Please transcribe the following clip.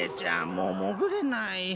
もうもぐれない。